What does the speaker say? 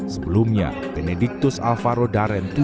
sebelumnya benediktus alvaro daren